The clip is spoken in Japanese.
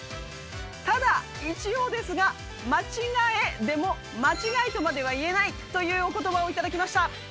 ただ一応ですが「間違え」でも間違いとまでは言えないというお言葉を頂きました。